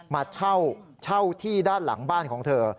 มาเช่าเช่าที่ด้านหลังบ้านของเธอ